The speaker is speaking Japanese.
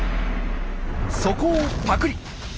そこをパクリ！